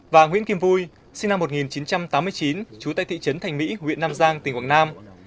và nguyễn kim vui sinh năm một nghìn chín trăm tám mươi chín chú tại thị trấn thành mỹ huyện nam giang tỉnh quảng nam